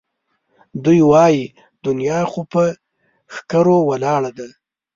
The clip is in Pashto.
دوی وایي دنیا خو پهٔ ښکرو ولاړه ده